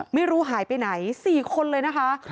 ไม่รู้หายไปไหน๔คนเลยนะคะ